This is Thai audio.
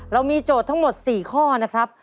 เรามีโจทย์ทั้งหมด๔ข้อนะครับ